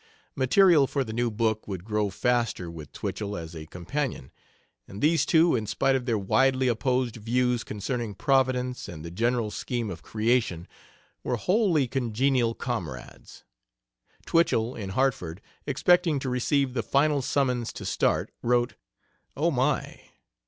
Material for the new book would grow faster with Twichell as a companion; and these two in spite of their widely opposed views concerning Providence and the general scheme of creation, were wholly congenial comrades. Twichell, in Hartford, expecting to receive the final summons to start, wrote: "Oh, my!